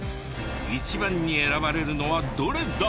一番に選ばれるのはどれだ？